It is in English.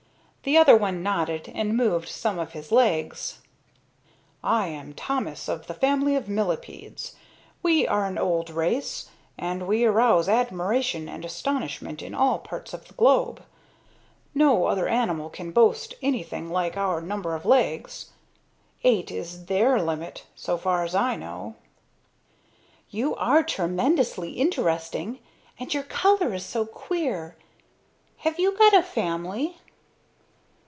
The other one nodded and moved some of his legs. "I am Thomas of the family of millepeds. We are an old race, and we arouse admiration and astonishment in all parts of the globe. No other animals can boast anything like our number of legs. Eight is their limit, so far as I know." "You are tremendously interesting. And your color is so queer. Have you got a family?"